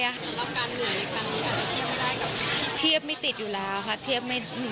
สำหรับการเหลือในการวิกันคุณอาจจะเทียบให้ได้กับ